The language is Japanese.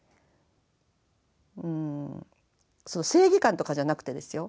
うんその正義感とかじゃなくてですよ。